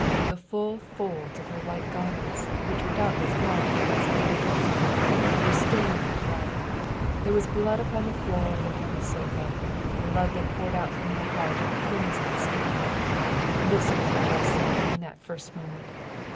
The full folds of her white garments, which were doubtless part of her masquerade costume, were stained with blood. There was blood upon the floor and upon the sofa, blood that poured out from her heart in a crimson stream. This was what I saw in that first moment.